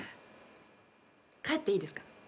帰っていいですか？